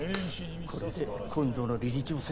これで今度の理事長選